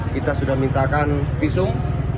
kita sudah mintakan visum